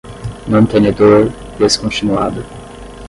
mantenedor, descontinuada